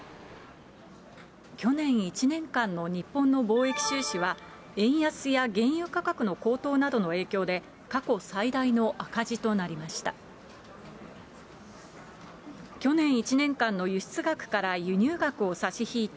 去年１年間の日本の貿易収支は、円安や原油価格の高騰などの影響で、過去最大の赤字となりました。